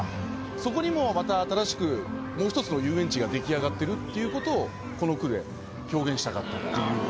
そこにもうまた新しく出来上がってるっていうことをこの句で表現したかったっていう。